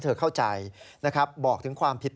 บอกถึงความผิดปกติของลูกของอาการลูกเธอให้เธอเข้าใจให้เธอรับรู้